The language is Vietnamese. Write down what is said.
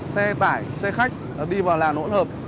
xe tải xe khách đi vào làn ổn hợp